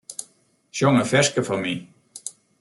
Sjong in ferske foar my.